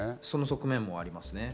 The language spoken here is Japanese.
その側面もあります。